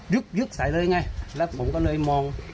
ึกยึกใส่เลยไงแล้วผมก็เลยมอง